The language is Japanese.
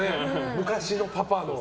昔のパパの。